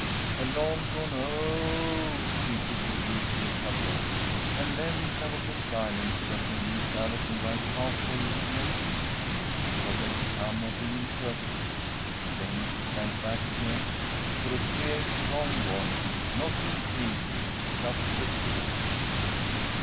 A long drawn "O o oh" greeted the beautiful tableau, and then there was a silence that made Miss Allison rise half way in her seat, to see what had become of the interpreter. Then she sank back again, for a clear, strong voice, not Miss Casey's, took up the story.